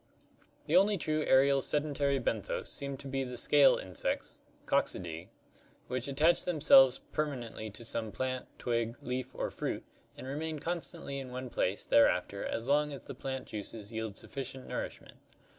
The only true aerial sedentary benthos seems to be the scale insects (Coccids, see Fig. 14) which attach themselves per manently to some plant, twig, leaf, or fruit, and remain constantly in one place thereafter as long as the plant juices yield sufficient nourishment.